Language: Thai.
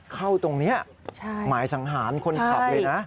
เข้าตรงนี้หมายสังหารคนขับเลยนะ